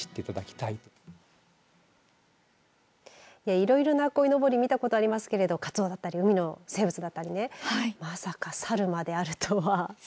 いろいろなこいのぼり見たことありますけれどカツオだったり海の生物だったりまさか猿まであるとは。